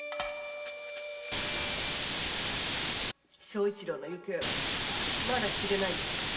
庄一郎の行方はまだ知れないんですか？